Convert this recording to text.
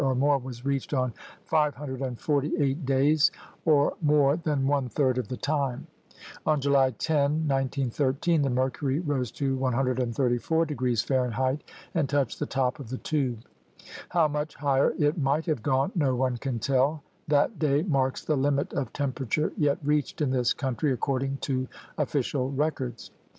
or more was reached on five hundred and forty eight days, or more than one third of the time. On July 10, 1913, the mercury rose to 134° F. and touched the top of the tube. How much higher it might have gone no one can tell. That day marks the limit of temperature yet reached in this coun try according to official records.